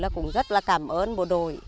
cũng rất là cảm ơn bộ đội